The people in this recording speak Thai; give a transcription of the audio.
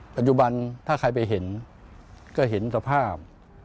ปัจจุบันถ้าใครไปเห็นก็เห็นสภาพ